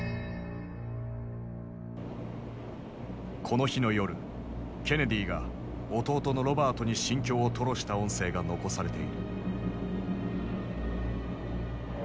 この日の夜ケネディが弟のロバートに心境を吐露した音声が残されている。